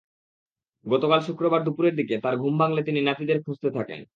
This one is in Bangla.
গতকাল শুক্রবার দুপুরের দিকে তাঁর ঘুম ভাঙলে তিনি নাতিদের খুঁজতে থাকেন।